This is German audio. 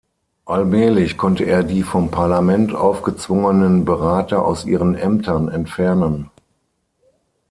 Allmählich konnte er die vom Parlament aufgezwungenen Berater aus ihren Ämtern entfernen.